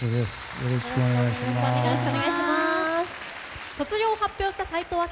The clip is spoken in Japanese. よろしくお願いします。